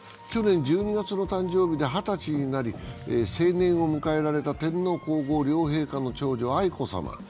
去年１２月の誕生日で二十歳になり成年を迎えられた天皇・皇后両陛下の長女・愛子さま。